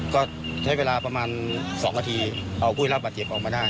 ก็ใช้เวลาประมาณ๒นาทีเอาผู้ได้รับบาดเจ็บออกมาได้